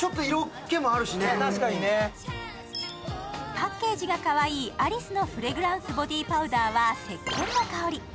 パッケージがかわいいアリスのフレグランスボディパウダーはせっけんの香り